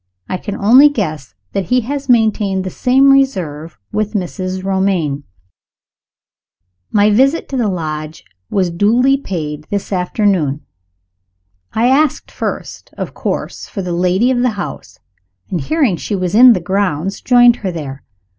I can only guess that he has maintained the same reserve with Mrs. Romayne. My visit to the Lodge was duly paid this afternoon. I asked first, of course, for the lady of the house, and hearing she was in the grounds, joined her there.